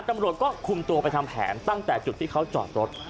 ตำรวจก็คุมตัวไปทำแผนตั้งแต่จุดที่เขาจอดรถ